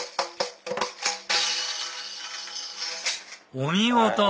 お見事！